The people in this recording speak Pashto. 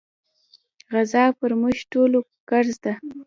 غزا پر موږ ټولو فرض ده.